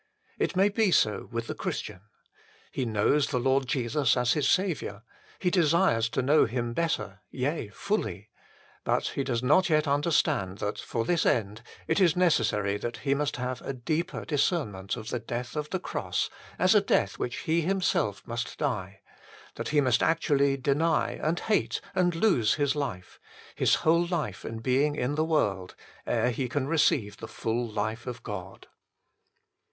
It may be so with the Christian. He knows the Lord Jesus as his Saviour ; he desires to know Him better, yea, fully ; but he does not yet understand that 1 Mutt. xvi. 17, 22, HOW THE BLESSING IS HINDERED 67 for this end it is necessary that he must have a deeper discernment of the death of the Cross as a death which he himself must die ; that he must actually deny, and hate, and lose his life his whole life and being in the world ere he can receive the full life of God.